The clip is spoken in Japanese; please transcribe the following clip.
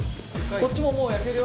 こっちももう焼けるよ。